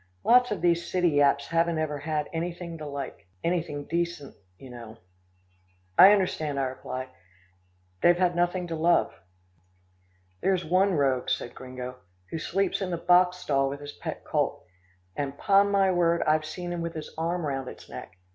Lots of these city yaps haven't ever had anything to like anything decent, you know." "I understand," I replied. "They've had nothing to love." "There's one rogue," said Gringo, "who sleeps in the boxstall with his pet colt, and 'pon my word, I've seen him with his arm round its neck.